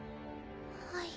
はい。